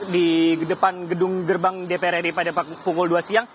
di depan gedung gerbang dpr ri pada pukul dua siang